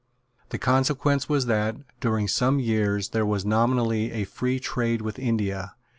The consequence was that, during some years, there was nominally a free trade with India.